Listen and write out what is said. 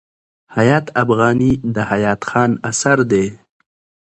حیات افغاني د حیات خان اثر دﺉ.